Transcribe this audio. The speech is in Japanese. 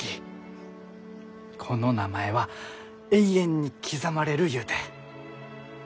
この名前は永遠に刻まれるゆうて。